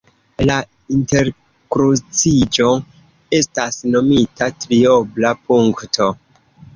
La interkruciĝo estas nomita triobla punkto.